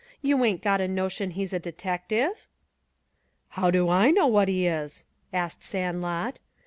You ain't got a notion he's a detective?" "How do I know what he is?" asked Sandlot.